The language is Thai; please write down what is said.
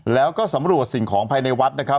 แล้วก็สำรวจสิ่งของภายในวัดนะครับ